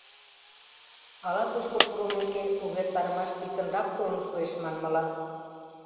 Ала тушко пурымеке, увертарымаш писынрак толын шуэш манмыла.